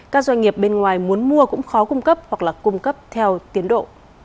các doanh nghiệp bên ngoài muốn mua cũng khó cung cấp hoặc là cung cấp theo tiến độ